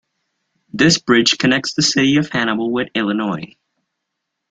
This bridge connects the city of Hannibal with Illinois.